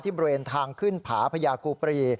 บริเวณทางขึ้นผาพญากูปรี